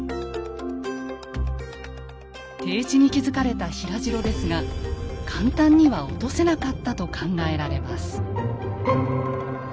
低地に築かれた平城ですが簡単には落とせなかったと考えられます。